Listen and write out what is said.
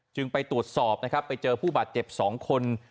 ไปตรวจสอบนะครับไปเจอผู้บาดเจ็บ๒คน